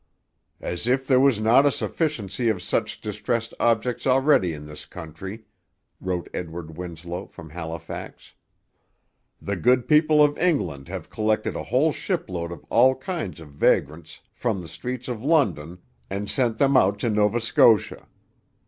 'As if there was not a sufficiency of such distress'd objects already in this country,' wrote Edward Winslow from Halifax, 'the good people of England have collected a whole ship load of all kinds of vagrants from the streets of London, and sent them out to Nova Scotia.